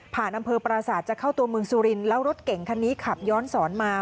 อำเภอปราศาสตร์จะเข้าตัวเมืองสุรินทร์แล้วรถเก่งคันนี้ขับย้อนสอนมา